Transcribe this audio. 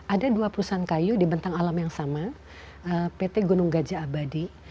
ada dua perusahaan kayu di bentang alam yang sama pt gunung gajah abadi